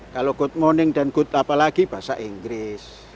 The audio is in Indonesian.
kalau good morning dan good apa lagi bahasa inggris